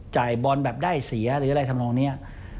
บอลแบบได้เสียหรืออะไรทำนองนี้